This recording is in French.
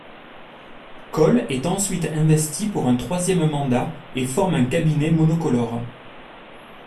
Kohl est ensuite investi pour un troisième mandat et forme un cabinet monocolore.